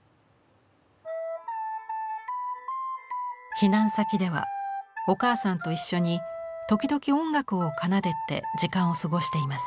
避難先ではお母さんと一緒に時々音楽を奏でて時間を過ごしています。